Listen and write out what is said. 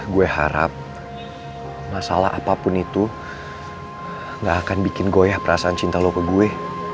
gue harap masalah apapun itu gak akan bikin goyah perasaan cinta lu ke gue